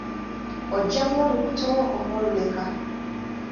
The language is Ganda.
Oggyamu olubuto oba oluleka?